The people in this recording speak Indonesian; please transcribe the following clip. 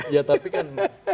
ya tapi kan